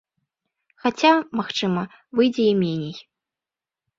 Хаця, магчыма, выйдзе і меней.